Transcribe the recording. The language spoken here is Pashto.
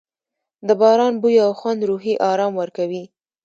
د باران بوی او خوند روحي آرام ورکوي.